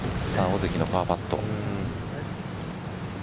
尾関のパーパット。